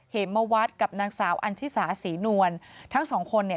เหมวัดกับนางสาวอันชิสาศรีนวลทั้งสองคนเนี่ย